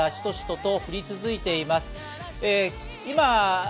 雨がまだしとしとと降り続いています。